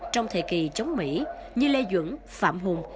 trong thời kỳ chống mỹ như lê duẩn phạm hùng